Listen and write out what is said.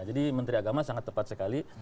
jadi menteri agama sangat tepat sekali